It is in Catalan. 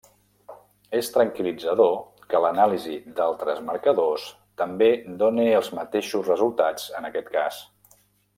És tranquil·litzador que l'anàlisi d'altres marcadors també done els mateixos resultats en aquest cas.